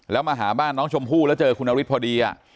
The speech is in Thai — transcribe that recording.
แล้วมาหาบ้านน้องชมพู่แล้วเจอคุณนฤทธิพอดี